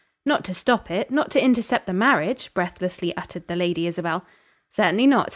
"Not to stop it; not to intercept the marriage!" breathlessly uttered the Lady Isabel. "Certainly not.